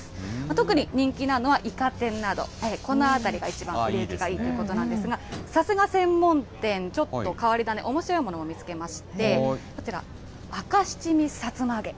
特に人気なのはいか天など、このあたりが一番売れ行きがいいということなんですが、さすが専門店、ちょっと変わり種、おもしろいものを見つけまして、こちら、赤七味さつま揚げ。